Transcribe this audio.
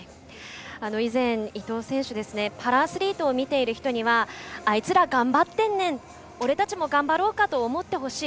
以前、伊藤選手はパラアスリートを見ている人にはあいつら、頑張ってんねん俺たちも頑張るかと思ってほしい。